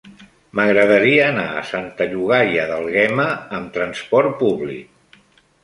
M'agradaria anar a Santa Llogaia d'Àlguema amb trasport públic.